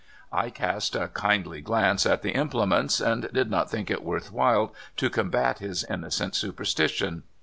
I cast a kindly glance at the implements, and did not think it worth while to combat his inno cent superstition.